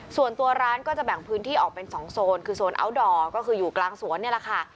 ส่วนตัวร้านก็จะแบ่งพื้นที่ออกเป็น๒โซนคือโซนอัลดอร์ก็คืออยู่กลางสวนนี่แหละค่ะ